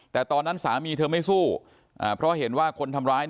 แต่ตอนนั้นสามีเธอไม่สู้เพราะเห็นว่าคนทำร้าย